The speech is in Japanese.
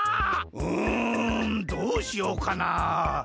うんどうしようかな。